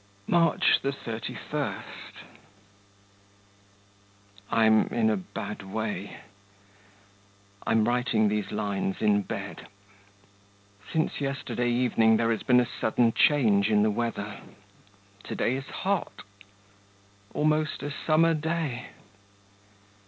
March 31. I'm in a bad way. I am writing these lines in bed. Since yesterday evening there has been a sudden change in the weather. To day is hot, almost a summer day.